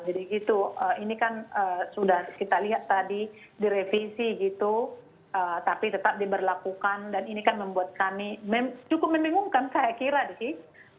jadi gitu ini kan sudah kita lihat tadi direvisi gitu tapi tetap diberlakukan dan ini kan membuat kami cukup membingungkan saya kira dikit